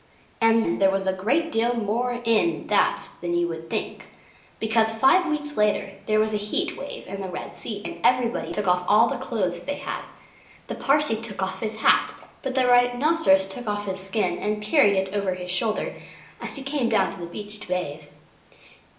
And there was a great deal more in that than you would think. Because, five weeks later, there was a heat wave in the Red Sea, and everybody took off all the clothes they had. The Parsee took off his hat; but the Rhinoceros took off his skin and carried it over his shoulder as he came down to the beach to bathe.